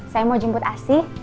saya mau jemput asyik